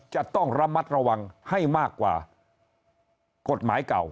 จะต้องระมัดระวังให้มากกว่ากฎหมายเก่า